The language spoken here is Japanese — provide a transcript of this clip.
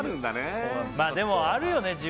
まあでもあるよね